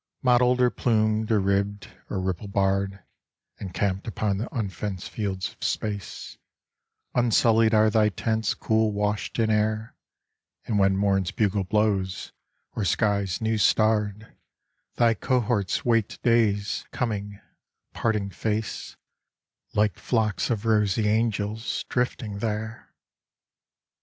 Mottled, or plumed, or ribbed, or ripple barred, Encamped upon the unfenced fields of space, Unsullied are thy tents cool washed in air; And when morn's bugle blows, or sky's new starred, Thy cohorts wait day's coming, parting face, Like flocks of rosy angels drifting there.